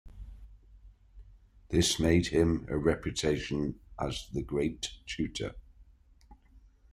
This made him a reputation as the great tutor.